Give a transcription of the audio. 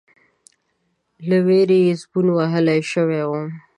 ، له وېرې يې زبون وهل شوی و،